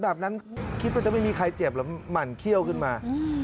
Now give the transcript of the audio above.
แบบนั้นคิดว่าจะไม่มีใครเจ็บแล้วหมั่นเขี้ยวขึ้นมา